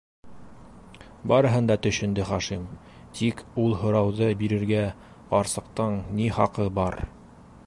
Барыһын да төшөндө Хашим, тик ул һорауҙы бирергә ҡарсыҡтың ни хаҡы бар?